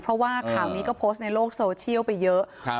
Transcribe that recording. เพราะว่าข่าวนี้ก็โพสต์ในโลกโซเชียลไปเยอะครับ